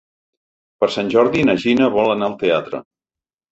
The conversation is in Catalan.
Per Sant Jordi na Gina vol anar al teatre.